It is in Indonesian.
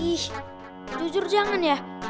ih jujur jangan ya